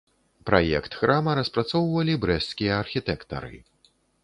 Праект храма распрацоўвалі брэсцкія архітэктары.